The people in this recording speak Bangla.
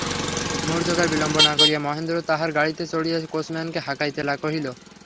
মুহূর্তকাল বিলম্ব না করিয়া মহেন্দ্র তাহার গাড়িতে চড়িয়া কোচম্যানকে হাঁকাইতে কহিল।